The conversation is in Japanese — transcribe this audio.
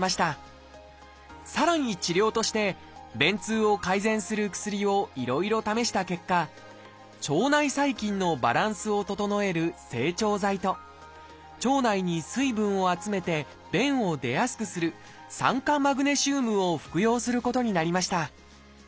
さらに治療として便通を改善する薬をいろいろ試した結果腸内細菌のバランスを整える「整腸剤」と腸内に水分を集めて便を出やすくする「酸化マグネシウム」を服用することになりました。